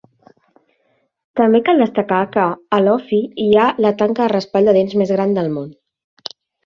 També cal destacar que a Alofi hi ha la tanca de raspall de dents més gran del món.